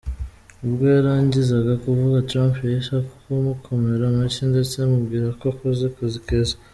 Ubwo yarangizaga kuvuga Trump yahise umukomera amashyi ndetse amubwira ko akoze akazi keza.